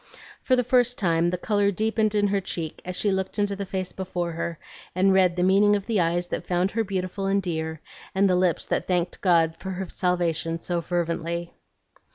For the first time the color deepened in her cheek as she looked into the face before her and read the meaning of the eyes that found her beautiful and dear, and the lips that thanked God for her salvation so fervently.